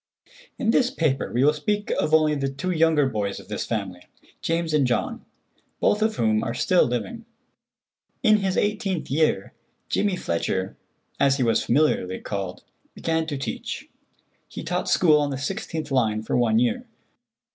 In this paper we will speak of only the two younger boys of this family, James and John, both of whom are still living. In his eighteenth year, Jimmy Fletcher, as he was familiarly called, began to teach. He taught school on the 16th line for one year.